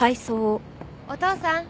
お父さん